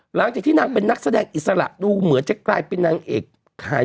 หลังจากที่นางเป็นนักแสดงอิสระดูเหมือนจะกลายเป็นนางเอกขาย